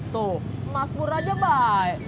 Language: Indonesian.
tuh mas pur aja baik